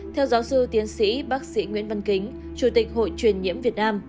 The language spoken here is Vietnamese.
theo giáo sư tiến sĩ bác sĩ nguyễn văn kính chủ tịch hội truyền nhiễm việt nam